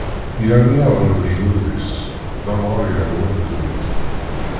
Yerna ɣer lejdud-is, d amɣar yeṛwan ddunit.